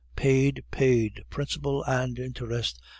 Paid! paid, principal and interest!